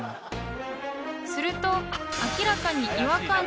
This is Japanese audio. ［すると明らかに］